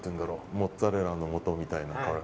モッツァレラのもとみたいな。